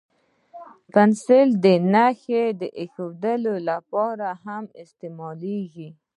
پنسل د نښې اېښودلو لپاره هم استعمالېږي.